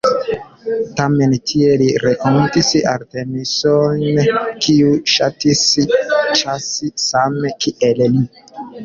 Tamen tie li renkontis Artemiso-n, kiu ŝatis ĉasi same, kiel li.